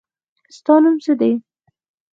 ستا نوم څه دی ؟